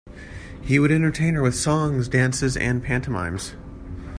He would entertain her with songs, dances, and pantomimes.